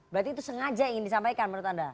berarti itu sengaja ingin disampaikan menurut anda